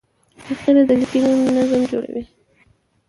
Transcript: فقره د لیکني نظم جوړوي.